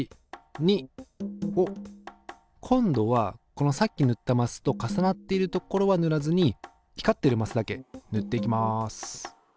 ２を今度はこのさっき塗ったマスと重なっているところは塗らずに光っているマスだけ塗っていきます。